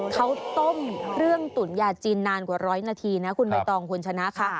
เขาต้มเครื่องตุ๋นยาจีนนานกว่าร้อยนาทีนะคุณใบตองคุณชนะค่ะ